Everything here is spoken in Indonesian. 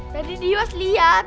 dari diwas lihat